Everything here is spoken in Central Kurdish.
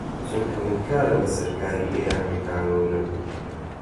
چونکە من کارم بە سەر کاری ئێرانییەکانەوە نەبوو